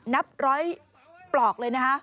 นับ๑๐๐ปลอกเลยนะคะ